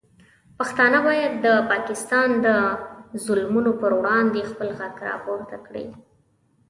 پښتانه باید د پاکستان د ظلمونو پر وړاندې خپل غږ راپورته کړي.